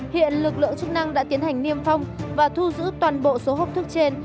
hiện lực lượng chức năng đã tiến hành niêm phong và thu giữ toàn bộ số hộp thức trên